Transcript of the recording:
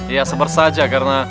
ya sabar saja karena